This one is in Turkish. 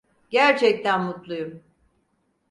Gerçekten mutluyum.